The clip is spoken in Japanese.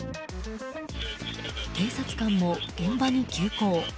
警察官も現場に急行。